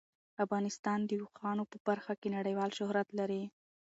افغانستان د اوښانو په برخه کې نړیوال شهرت لري.